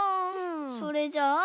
それじゃあ。